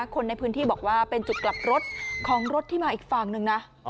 คนในพื้นที่บอกว่าเป็นจุดกลับรถของรถที่มาอีกฝั่งหนึ่งนะ